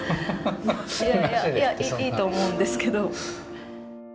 いやいやいいと思うんですけど。